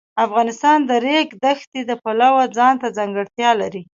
افغانستان د د ریګ دښتې د پلوه ځانته ځانګړتیا لري.